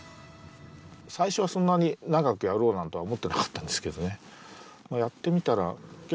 最初はそんなに長くやろうなんて思ってなかったんですけどね。